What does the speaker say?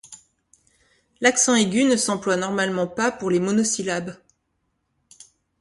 L'accent aigu ne s'emploie normalement pas pour les monosyllabes.